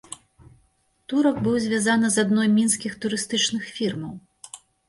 Турак быў звязаны з адной з мінскіх турыстычных фірмаў.